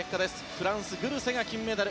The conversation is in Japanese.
フランス、グルセが金メダル。